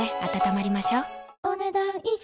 お、ねだん以上。